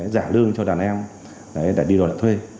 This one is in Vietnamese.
giả lương cho đàn em đã đi đòi thuê